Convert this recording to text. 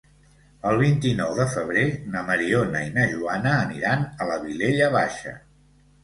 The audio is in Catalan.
El vint-i-nou de febrer na Mariona i na Joana aniran a la Vilella Baixa.